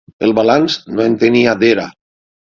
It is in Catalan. El balanç no en tenia d'era.